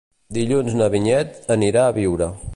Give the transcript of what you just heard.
Dilluns na Vinyet anirà a Biure.